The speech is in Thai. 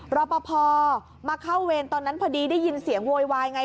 รอปภมาเข้าเวรตอนนั้นพอดีได้ยินเสียงโวยวายไง